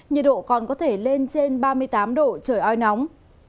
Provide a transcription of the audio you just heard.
nhiệt độ còn có thể lên trên ba mươi tám độ trời oi nóng